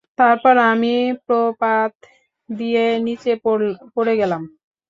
তারপর, আমি প্রপাত দিয়ে নিচে পড়ে গেলাম।